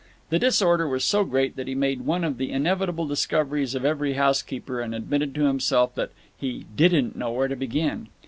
The disorder was so great that he made one of the inevitable discoveries of every housekeeper, and admitted to himself that he "didn't know where to begin."